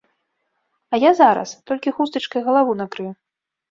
А я зараз, толькі хустачкай галаву накрыю.